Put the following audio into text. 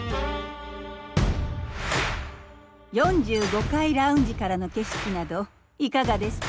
４５階ラウンジからの景色などいかがですか？